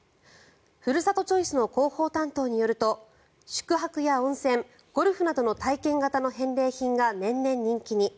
ふるさとチョイスの広報担当によると宿泊や温泉、ゴルフなどの体験型の返礼品が年々人気に。